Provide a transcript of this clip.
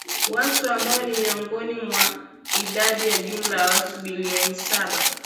Watu ambao ni miongoni mwa idadi ya jumla ya watu Bilioni saba